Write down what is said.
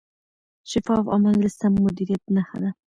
شفاف عمل د سم مدیریت نښه ده.